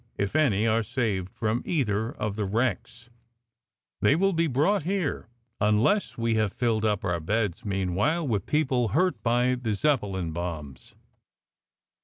If any are saved from either of the wrecks, they will be brought here, unless we have filled up our beds meanwhile with people hurt by the Zeppelin bombs."